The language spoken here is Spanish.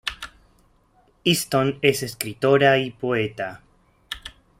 Easton es escritora y poeta.